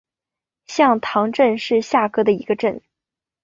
向塘镇是下辖的一个镇。